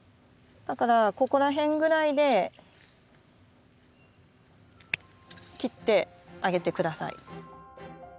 だからここら辺ぐらいで切ってあげて下さい。